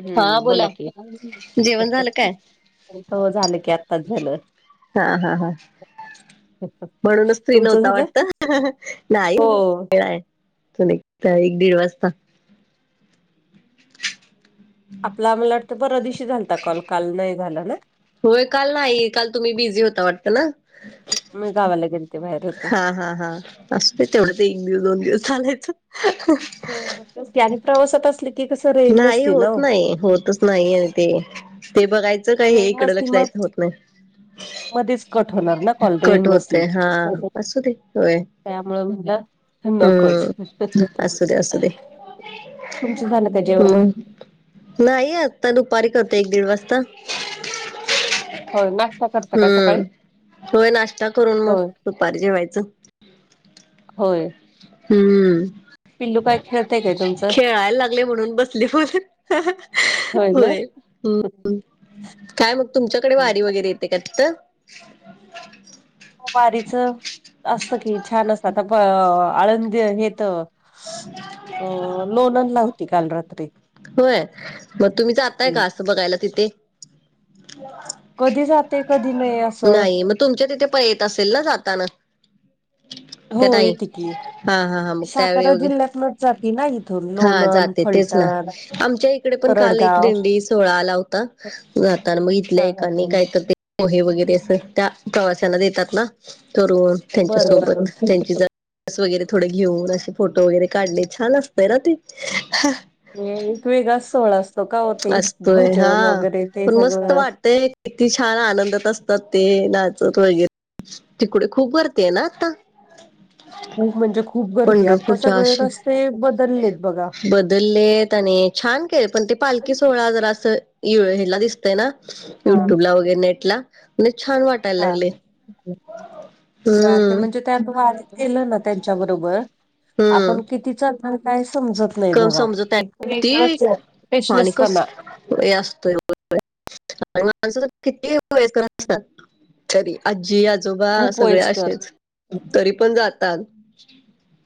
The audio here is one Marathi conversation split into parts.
हम्म बोला कि. अ जेवण झालं काय? हो झालं की आत्ताच झालं. हा हा हा. म्हणूनच फ्री तुमचं नव्हता झालं वाटत नाही हो वेळाय. एक दीड वाजता. आपला मला वाटतं परवा दिवशी झालता कॉल काल नाही झालं ना. होय काल नाही काल तुम्ही बिझी होता वाटत ना. म गावाला गेलते बाहेर होते हा हा हा असं तेवढं ते एक दिवस दोन दिवस चालायच. तेच कि आणि प्रवासात असली नाही होत नाही होतच नाही ते ते बघाय च काही हे रेंज इकडे नसती मग लक्षाचं होत नाही. मध्येच कट होणार ना कॉल कट रेंज नसली होतय की हा असू दे होय. त्यामुळे म्हणलं. नकोच हम्म असू दे असू दे तुमच झाण का जेवण? मग नाही आत्ता दुपारी करते एक दीड वाजता. होय नाश्ता करता का सकाळी हम्म होय नाश्ता करून मग होय दुपारी जेवायचं. होय. हम्म. पिल्लू काय खेळत खेळायला लागले म्हणून बसले बोलत होय. हम्म अ ह काय मग तुमच्याकडे वारी वगैरे येते का तिथं. वारीच असत की छान असतं आता प आळंदी हेत अ लोणन लावती काल रात्री. होय मग तुम्ही जातय का हम्म. असं बघायला तिथे. कधी जाते कधी नाही असं नाही मग तुमच्या तिथे पाई येत असेल ना जाताना. क हो ताई येते की हा हा हा मग. त्यावेळी सातारा जिल्ह्यातनच जाती ना इथून हा लोणंद जाते तेच ना फलटण आमच्या इकडे पण काल एक तरडगाव दिंडी सोळा आला होता जाताना मग इथल्या हा एकानी काय पोहे वगैरे अस त्या प्रवाशांना देतात ना करून. त्यांच्या बर सोबत बर त्यांची ज स वगैरे थोडे घेऊन असे फोटो वगैरे काढले छान असतय ना ते. एक वेगळा सोहळा असतो का हो ते असतोय हा भजन वगैरे ते पण मस्त सगळं. वाटतय किती छान आनंदात असतात ते नाचत वगैरे. तिकडे खूप वरतीय ना आता. खूप म्हणजे खूप गर्दी आता पंढरपूरच्या सगळे अशी रस्ते बदललेत बघा. बदललेत आणि छान के पण ते पालखी सोहळा जरा अस हेला दिस तय ना हा युट्यूब ला वगरे नेटला म्ह छान वाट हा ब तर हम्म म्हणजे त्या वारीत गेलं ना त्यांच्याबरोबर हम्म आपण किती चालणार काय समजत नाही कम बघा समजत इत ती वेळच आणि कस फेशनेसपणा. असतोय आणि माणसं तर किती वयस करत असतात तरी आजी आजोबा हू सगळे पोयचकर. असेच तरी पण जातात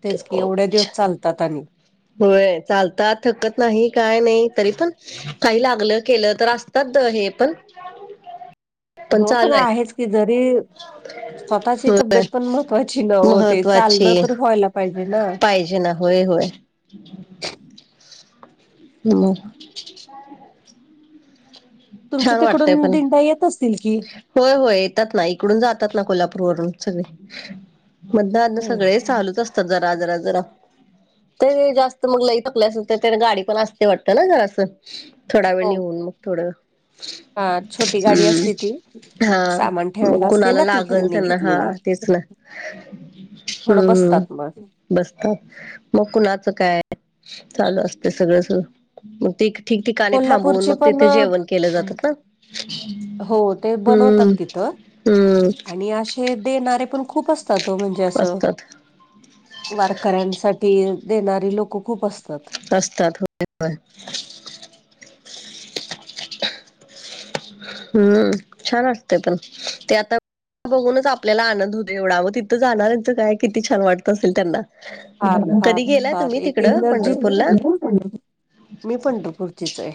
तेच की एवढे दिवस चालतात आणि होय चालतात थकत नाही काय नाही तरी पण काही लागलं केलं तर असतात हे पण हो पण चालू आहे आहेच की जरी स्वतःची होय तब्येत पण महत्त्वाची न होते चालणं महत्वाची तर व्हायला पाहिजे ना पाहिजे ना होय होय होम तुमच्या छान वाटतय तिकडून पण दिंडा येत असतील कि होय होय येतात ना इकडून जातात ना कोल्हापूर वून सगळे मण अ्न होय. सगळे चालूच असतात जरा जरा जरा ते जास्त मग लई पकलं असेल तर ते गाडी पण असते वाटते ना ज असं थोडा वेळ निेऊन मग थोडं ह छोटी गाडी असती हम्म ती हा सामान ठेवायला मग असते कुणाला ना लागल तिकनी त्यांना हा घेतलेली तेच ना थोडं हम्म बसतात मग बसतात मग कुणाच काय चालू असते सगळं स मग ते ठिकठिकाणी थांबवून कोल्हापूरचे मग पण तिथे जेवण केलं अ जातात ना हो ते बनवतात हम्म तिथ हम्म आणि े देणारारे पण खूप असतातो म्हणजे असं असतात वारकऱ्यांसाठी देणारी लोकं खूप असतात असतात होय होय हम्म छान असते पण ते आता बघूनच आपल्याला आनंद हो दे एवढा वग तिथं जाणार्यांचं काय किती छान वाटतं असेल त्यांना फ फार कधी गेलाय फार तुम्ही एक तिकडं एनर्जी पंढरपूरला मी पंढरपूरचीच आहे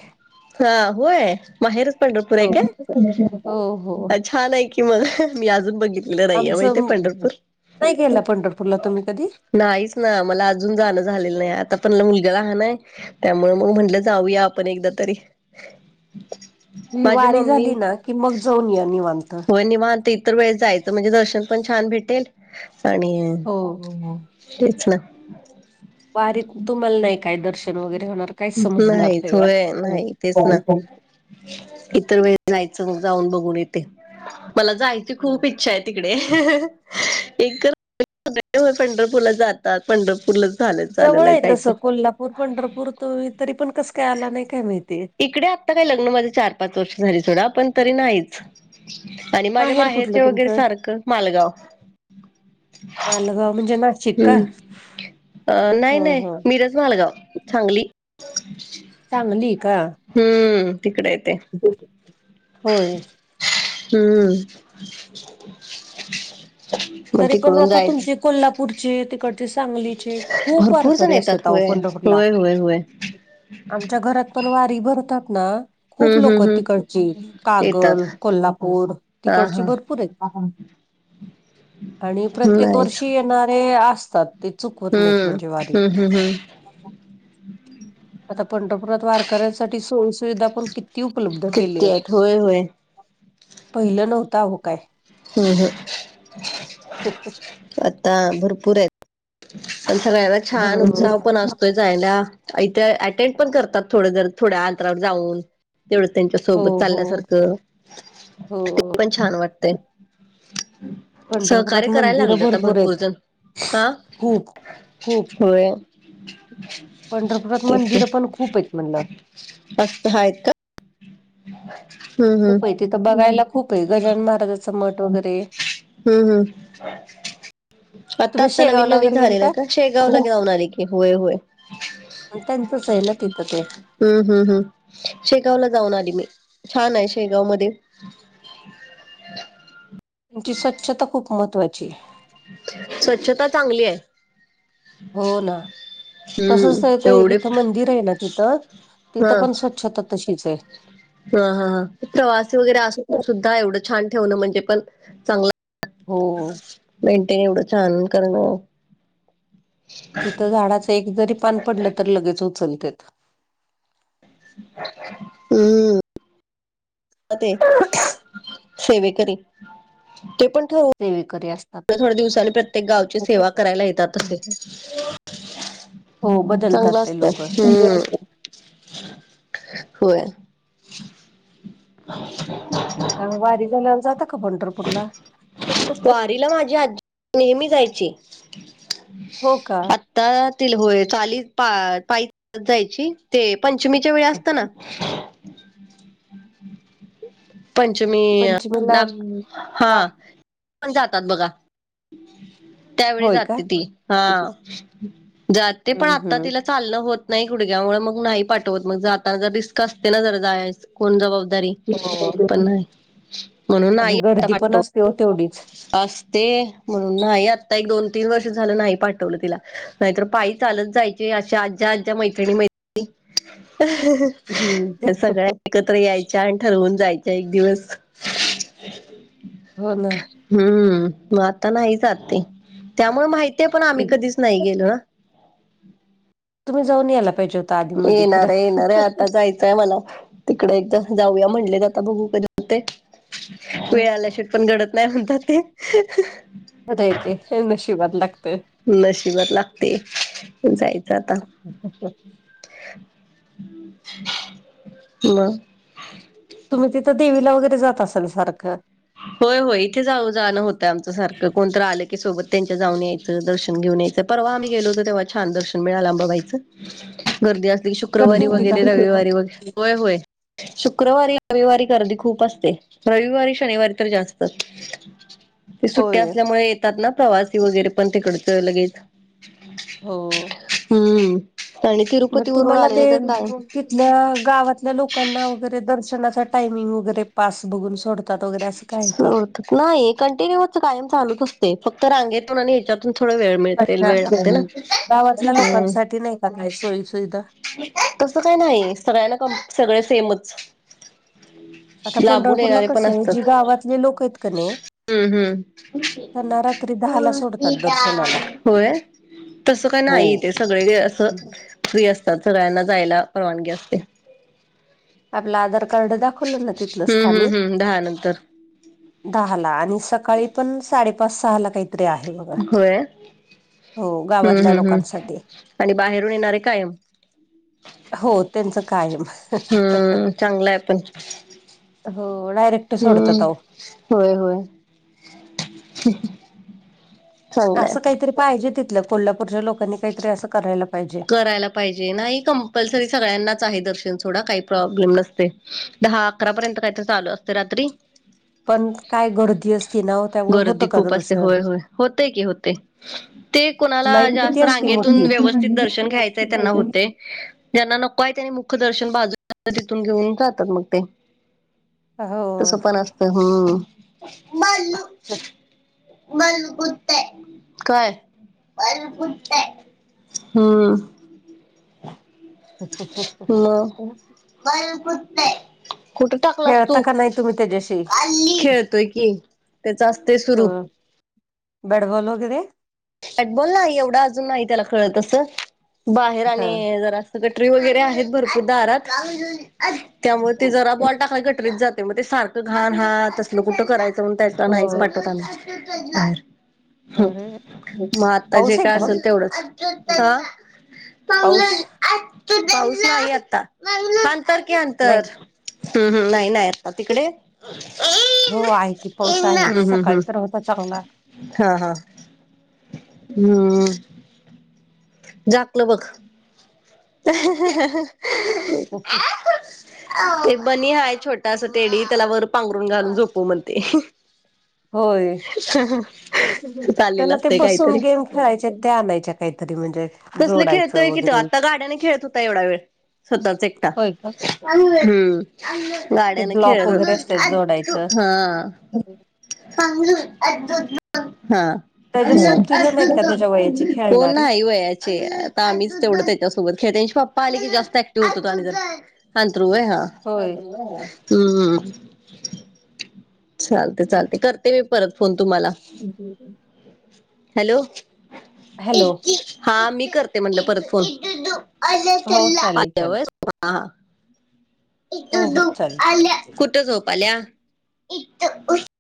हा होय माहेरच पंढरपूर आहे काय हो हो हो छान आहे की मला मी अजून बघित आमचं नाही केलं पंढरपूरला तुम्ही कधी नाहीच ना मला अजून जाणं झालेलं नाही आता पणला मुलगा राहान आहे त्यामु मग म्हटलं जाऊया आपण एकदा तरी ही माझी वारी मम्मी झाली ना की मग जाऊन या निवांत. हो निवांती इत वेळ जायचं म्हणजे दर्शन पण छान भेटेल आणि हो तीच ना वारी तुम्हाला नाही काय दर्शन वगैरे होणार काहीच समजणार नाही होय नाही तेच ना वारीत. इतर वेळ जायचं मग जाऊन बघून इथे मला जायचं ती खूप इच्छा आहे तिकडे एक पंढरपूरला जातात पंढरपूरला झालं झालं जवळ नाही आहे तसं जायचं कोल्हापूर पंढरपूर तो तरी पण कसं काय आला नाही काय माहितीय इकडे आत्ता काय लग्न माझे चार पाच वर्ष झाली सोडा पण तरी नाहीच आणि माझ्या माहेर कुठलं माहेरचे वगैरे तुमचं सारखं मालगाव मालगाव म्हणजे नाशिक का हम्म अ ह नाही नाही ह मिरज मालगाव सांगली सांगली का हम्म तिकडे येते होय हम्म मग तरी पण तिकडून आता जायच तुमचे कोल्हापूरचे ते सांगलीचे खूप भरपूर जण वारकरी येतात असतात होय पंढपूरला होय होय होय आमच्या घरात पण वारी भरतात ना खूप हम्म लोक हम्म हम्म तिकडची कागल येतात कोल्हापूर हा तिकडची हा भरपूर आहेत आणि प्रत्येक नाहीच वर्षी येणारे असतात ते चुकवत नाहीत हम्म म्हणजे वारी हम्म हम्म हम् आता पंढरपुरात वारकऱ्यांसाठी सोयी सुविधा पण किती ती उपलब्ध केली किती आहेत होय होय पहिलं नव्हतं हो काय हम्म हम [inaudible] आता भरपूर आहेत पण सगळ्यांना छान उत्साह पण असतो जायला इथे अटेंड पण करतात थोड जर थोड्या अंतरावर जाऊन तेवढं त्यांच्या हो सोबत हो चालल्यासारखं हो ते पण छान वाटते [inaudible] [unintelligible] सहकार्य पंढरपुरात करायला मंदिरं लागले आता भरपूर आहेत जण हा खूप खूप होय पंढरपुरात तेच की मंदिर पण खूप आहेत म्हणलं आहेत का हम्म हम्म तिथे बघायला खूप आहे गजानन महाराज हम्म हम्म आता तुम्ही आता नवीन शेगावला नवीन वगैरे झालेलं गेलता? का शेगावला जाऊन आली की होय होय त्यांचं आहे ना तिथं ते हम्म हम्म हम् शेगावला जाऊन आली मी छान आहे शेगाव मध्ये त्यांची स्वच्छता खूप महत्त्वाची स्वच्छता चांगली आहे हो ना तसच हम्म एवढे इथं मंदिर ना तिथं हा तिथं पण स्वच्छता तशीच आहे हा हा हा प्रवासी वगैरे असून सुद्धा एवढं छान ठेवणं म्हणजे पण चांगलं हो मेंटेन एवढं छान करणं तिथं झाडाचं एक जरी पान पडलं तर लगेच उचलतात हम्म सेवे करी ते पण ठरू ते विके असत थोड थोड्या दिवसानी प्रत्येक गावची सेवा करायला येतात असे हो बदलतात चांगलं ते असतय लोक हम्म आता होय आता वारी झाल्यावर जाता का पंढरपूरला वारीला माझी आ नेहमी जायची हो का तर त होय चाली पा पास जायची ते पंचमीच्या वेळा असत ना पंचमी पंचमीला नाग का हा पण जातात बघा त्यावेळी होय का जाते ती हा जाते पण हम्म आता तिला हम्म चालण होत नाही घुडग्यामुळे मग नाही पाठवत मग जाताना जर रिस्क असते ना जर जायच कोण जबाबदारी हो पण नाही म्हणून आई आणि गर्दी पण असते तेवढीच आसस्.. ते म्हणून न्हाई आत्ता एक दोन तीन वर्ष झालं न्हाई पाठवलं तिला नाहीतर पायी चालच जायची. ते अशा आज्ज्या आज्ज्या मैत्रिणी मैत हम्म. एकत्र यायच्या आन् ठरवून जायच्या एक दिवस. अच हो ना. हम्म. म आता न्हाई जात ते. त्यामुळे माहितीय पण आम्ही कधीच नाही गेलो ना. तुम्ही जाऊन यायला पाहिजेत. येणारे येणारे आता जाय मला तिकडे एकदा जाऊया म्हणले जाता बघू कधी तय वेळ खरं आल्या शेट पण घडत नाही म्हणतं ते अय ते नशिबत लागतं नशिबात लागते, जायचं आता म तुम्ही तिथं देवीला वगरे जात असाल सारखं. होय होय इथे जाऊ जाणं होतंय आमचं सारखं. कोणतरी आलं की सोबत त्यांच्या जाऊन ये दर्शन घेऊन यायचं. परवा आम्ही गेलो होतो तेव्हा छान दर्शन मिळालं आमाला इथं. गर्दी असली गर्दी शुक्रवारी होती का वगरे रविवारी वगरे होय होय. शुक्रवारी रविवारी गर्दी खूप असते. रविवारी रविवारी तर जास्त, सुट्टी होय असल्यामुळे चांगला प्रवास वगरे पण तिकडचं लगेच हो. हम्म. आणि मग तिरुपती वरून तुम्हाला ते आलेले तर काय तिथल्या गावातल्या लोकांना वगरे दर्शनाचा टायमिंग वगरे पास बघून सोडत ात वगरे असं काय का? नाही. कंटिन्यूच कायम चालूच असते. फक्त रांगेतून आणि ह्याच्यातून थोड वेळ मिळते, अच्छा. वेळ लागते ना. गावातल्या लोकांसाठी नाही का काय सोयी सुविधा? तसं काय नाही. सगळ्यांना क सगळे सेमच आता लांबून पंढरपूरला येणारे पण अ कसं आहे जी गावातले लोकं एत का नई हम्म हम्म. दहाला सोडतात दर्शनाला. होय. तसं काय हो. न्हाई. तेे सगळे असं फ्री असतात सगळ्यांना जायला परवानगी असते. आपलं आधार कार्ड दाखवलं ना तिथलं हम्म हम्म स्थानिक हम्म दहा नंतर दहा ला आणि सकाळी पण साडेपाच सहा ला काहीतरी आहे बघा. होय हो हम्म गावातल्या हम् हम्. लोकांसाठी. आणि बाहेरून येणारे कायम हो. त्यांचं कायम हम्म. चांगलाय पण. हो डायरेक्ट हम्म. सोडतात अहो. होय होय. चांगलंय असं काहीतरी पाइजे. तिथलं कोल्हापूरच्या लोकांनी काहीतरी असं करायला पाईजे. करायला पाहिजे. नाही कंपल्सरी सगळ्यांनाच आहे दर्शन थोडा काही प्रॉब्लेम नसते. दहा अकरापर्यंत काहीतरी चालू असते रात्री. पण काय गर्दी असती ना ओ त्यामुळे होतं गर्दी का खूप असते. दर्शन. होय होय. होतेय की होतेय. ते कुणाला लाईन किती जास् असती रांगेतून मोठी. व्यवस्थित दर्शन घ्यायचंय त्यांना होते ज्यांना नको आए त्यांनी मुख दर्शन बाजू तिथून घेऊन जातात मग ते. तसं हो. पण असतं. हम्म. ह. बलपुतत काय? बलपुतत हम्म. म काकच नाही कुठं टाकलास खेळता तू? का नाही तुम्ही त्याच्याशी? खेळतोय की त्याच असते सुरू बेडबॉल हगरे अॅटबॉल नाही एवढा अजून नाही त्याला खळतस बाहेर हा. आणि जरा कटरी वगैरे आहेत भरपूर दारात त्यामुळे ते जरा बॉल टाकायला कटरीत जात ते म ते सारखं घाण हा तसलं कुठं करायचं म्हण त्या हो नाहीच पाठवतनार होा अरे मग आता जे पाऊस आहे काय का असेल तेवढंच ओ? ह पाऊस चां पाऊस आहे आता अंतर कि नाही अंतर हम्म हम् नाही नाही आता तिकडे हो आहे की पाऊस आहे हम्म हम्म हम्म सकाळी तर होता चांगला हा हा हम् झाकलं बघ ह कक ते बनी हाय छोटा अस टडी त्याला वर पांघरून घालून झोपू म्हणते होय त्याला चाललेलं ते असतंय बसून काहीतरी गेम खेळायचे ते आणायच्या काहीतरी म्हणजे तसलं जोडायचं खेळतोय कि तो वगैरे आता गाड्याने खेळत होता एवढा वेळ स्वतःच एकटा् होय का? ते गाड्याने ब्लॉक खेळत वगैरे असतात हो जोडायचं हा त्याच्या सोबतीला नाहीत का हा त्याच्या वयाची कोण खेळणारी? आ वयाचे आता आम्हीच तेवढं त्या त्यासोबत खेळता त्यांची पप्पा आलीी जास्त ऍक्टिव्ह होत हो आले तर अंत्रुय हा होय ह चालते चालते करते मी परत फोन तुम्हाला जी ज हॅलो हॅलो हा मी करते म्हणलं परत फोन हो चालेल चालेल. इ हो हो आल्या चालेल. कुठ सोपल्या इ